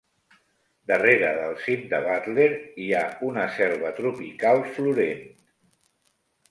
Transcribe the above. Darrere del cim de Butler, hi ha una selva tropical florent.